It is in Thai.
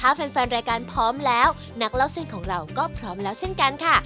ถ้าแฟนแฟนรายการพร้อมแล้วนักเล่าเส้นของเราก็พร้อมแล้วเช่นกันค่ะ